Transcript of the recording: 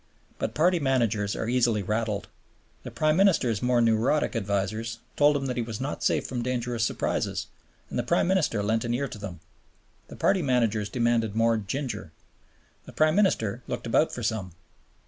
But party managers are easily "rattled." The Prime Minister's more neurotic advisers told him that he was not safe from dangerous surprises, and the Prime Minister lent an ear to them. The party managers demanded more "ginger." The Prime Minister looked about for some.